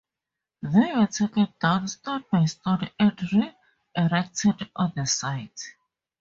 They were taken down stone by stone and re-erected on the site.